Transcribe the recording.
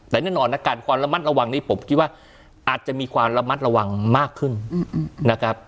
แต่แน่นอนอาการความระมัดระวังนี้ผมคิดว่าอาจจะมีความระมัดระวังมากขึ้นนะครับ